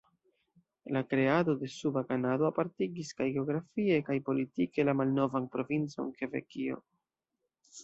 La kreado de Suba Kanado apartigis kaj geografie kaj politike la malnovan provincon Kebekio.